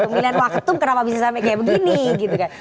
pemilihan wakil ketua umum kenapa bisa sampai kayak begini gitu kan